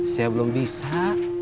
saya belum bisa